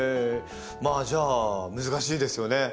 まあじゃあ難しいですよね